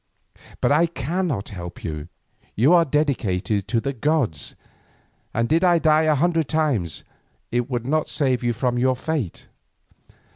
But I cannot help you; you are dedicated to the gods, and did I die a hundred times, it would not save you from your fate.